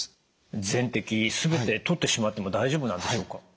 全摘全て取ってしまっても大丈夫なんでしょうか？